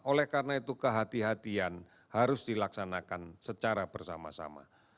oleh karena itu kehatian harus dilaksanakan secara bersama sama